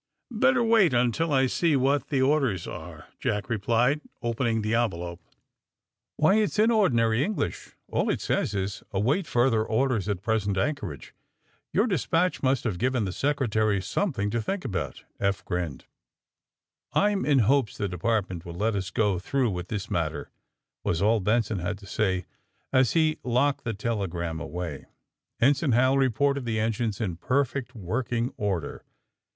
"Better wait until I see what the orders are,'* Jack replied, opening the envelope. "Why, it's AND THE SMUGGLERS 107 in ordinary English. All it says is: * Await further orders at present anchorage.* '^ ^^Yonr despatch must have given the Secre tary something to think ahout," Eph grinned. *'I'm in hopes the Department will let us go through with this matter," was all Benson had to say as he locked the telegram away. Ensign Hal reported the engines in perfect working order.